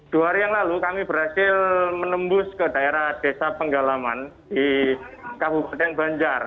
dua hari yang lalu kami berhasil menembus ke daerah desa penggalaman di kabupaten banjar